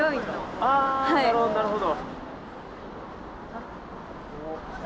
あなるほどなるほど。